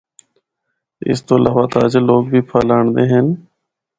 اس تو علاوہ تاجر لوگ بھی پھل آنڑدے ہن۔